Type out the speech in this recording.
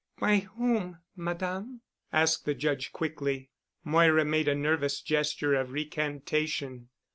"By whom, Madame?" asked the Judge quickly. Moira made a nervous gesture of recantation.